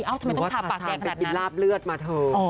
อ้าวทำไมต้องทาปากแดงขนาดนั้นหรือว่าทาสานไปกินราบเลือดมาเถอะ